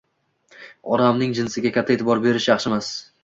Odamning jinsiga katta e'tibor berishi yaxshimas